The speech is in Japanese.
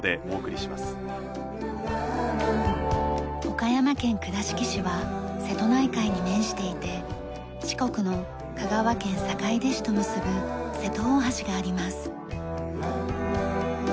岡山県倉敷市は瀬戸内海に面していて四国の香川県坂出市と結ぶ瀬戸大橋があります。